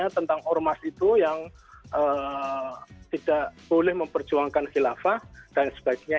tentang ormas itu yang tidak boleh memperjuangkan khilafah dan sebagainya